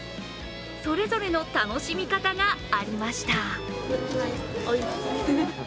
それぞれの楽しみ方がありました。